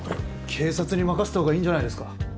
警察に任せた方がいいんじゃないですか？